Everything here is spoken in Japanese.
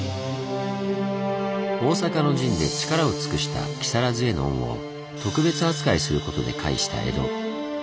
大坂の陣で力を尽くした木更津への恩を特別扱いすることで返した江戸。